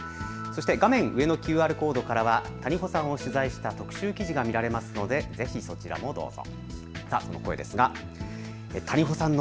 画面右上のＱＲコードからは谷保さんを取材した特集記事が見られますので、そちらもどうぞ。